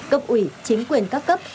cấp ủy chính quyền các cấp